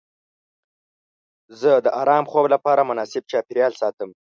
زه د ارام خوب لپاره مناسب چاپیریال ساتم.